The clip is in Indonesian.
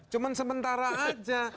cuman sementara aja